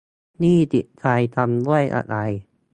นี่จิตใจทำด้วยอะไร